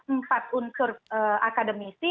empat unsur akademisi